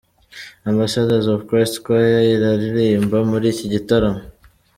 Ambassadors of Christ choir iraririmba muri iki gitaramo.